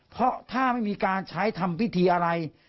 เพราะถ้าไม่มีการใช้ทำพิธีอะไร